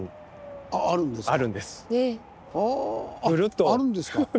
あっあるんですか。